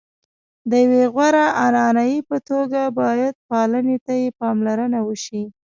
د یوې غوره عنعنې په توګه باید پالنې ته یې پاملرنه وشي.